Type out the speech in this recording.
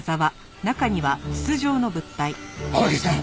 青柳さん！